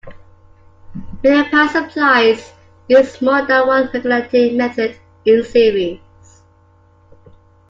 Many power supplies use more than one regulating method in series.